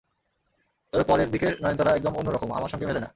তবে পরের দিকের নয়নতারা একদম অন্য রকম, আমার সঙ্গে মেলে না।